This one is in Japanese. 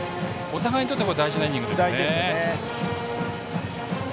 お互いにとって大事なイニングですね。